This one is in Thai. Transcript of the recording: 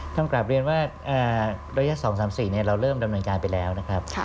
กลับเรียนว่าระยะ๒๓๔เราเริ่มดำเนินการไปแล้วนะครับ